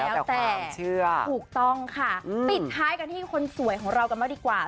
แล้วแต่เชื่อถูกต้องค่ะปิดท้ายกันที่คนสวยของเรากันบ้างดีกว่า